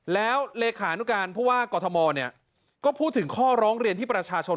แล้วราชการกรุงเทพฯก็พูดถึงข้อร้องเรียนที่ประชาชน